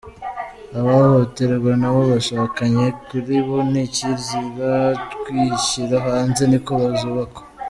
Abahohoterwa n'abo bashakanye kuri bo ni ikizira kwishyira hanze,"niko zubakwa".